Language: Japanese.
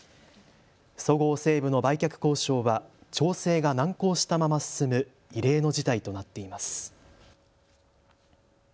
そごう・西武の売却交渉は調整が難航したまま進む異例の事態となっています。